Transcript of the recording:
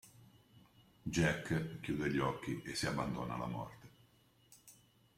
Jack, chiude gli occhi e si abbandona alla morte.